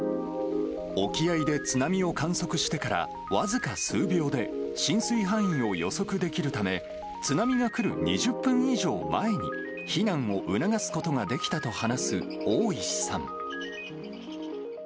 沖合で津波を観測してから僅か数秒で浸水範囲を予測できるため、津波が来る２０分以上前に、避難を促すことができたと話す大石さん。